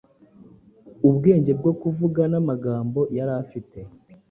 Ubwenge bwo kuvuganamagambo yari afite